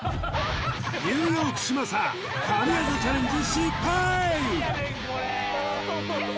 ニューヨーク嶋佐神業チャレンジ